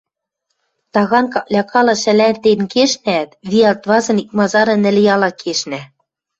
Таган каклякала шӓлӓтен кешнӓӓт, виӓлт вазын, икмазары нӹлъяла кешнӓ.